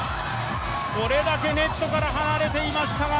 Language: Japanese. これだけネットから離れていましたが。